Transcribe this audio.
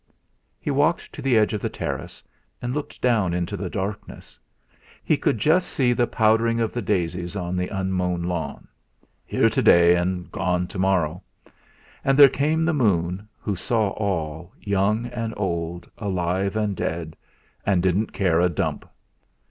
He walked to the edge of the terrace, and looked down into the darkness; he could just see the powdering of the daisies on the unmown lawn. Here to day and gone to morrow! And there came the moon, who saw all, young and old, alive and dead, and didn't care a dump!